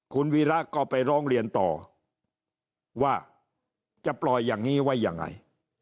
คุณวีระก็ไปร้องเรียนต่อว่าจะปล่อยอย่างนี้ไว้ยังไง